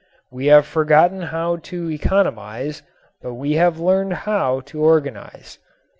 We have forgotten how to economize, but we have learned how to organize.